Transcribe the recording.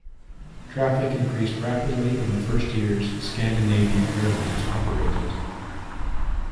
Traffic increased rapidly in the first years Scandinavian Airlines operated.